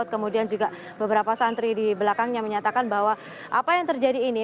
kemudian juga beberapa santri di belakangnya menyatakan bahwa apa yang terjadi ini